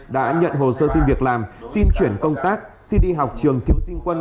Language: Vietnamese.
đã nhận hồ sơ xin việc làm xin chuyển công tác xin đi học trường kiệp sinh quân